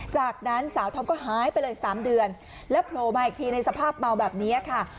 จากนั้นสาวทอมก็หายไปเลย๓เดือนแล้วโผล่มาอีกทีในสภาพเมาแบบนี้ค่ะ